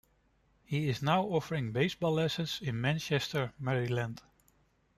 He is now offering baseball lessons in Manchester, Maryland.